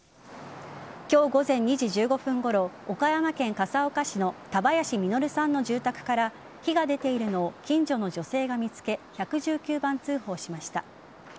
今日午前２時１５分ごろ岡山県笠岡市の田林稔さんの住宅から火が出ているのを近所の女性が見つけ１１９番通報しました。